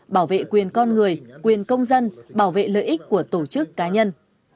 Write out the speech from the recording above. bảo vệ quyền con người quyền công dân bảo vệ lợi ích của tổ chức cá nhân